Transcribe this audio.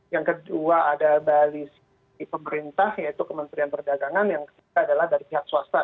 yang kedua ada balis di pemerintah yaitu kementerian perdagangan yang ketiga adalah dari pihak swasta